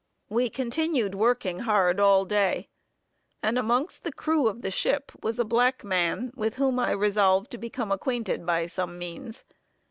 We continued working hard all day; and amongst the crew of the ship was a black man, with whom I resolved to become acquainted by some means.